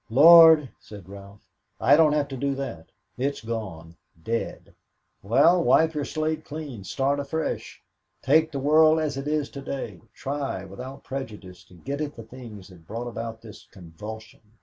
"Lord," said Ralph, "I don't have to do that it's gone dead." "Well, wipe your slate clean, start afresh. Take the world as it is to day, try, without prejudice, to get at the things that brought about this convulsion.